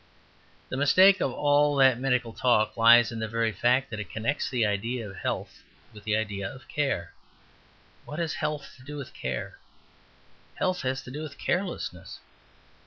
The mistake of all that medical talk lies in the very fact that it connects the idea of health with the idea of care. What has health to do with care? Health has to do with carelessness.